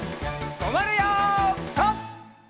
とまるよピタ！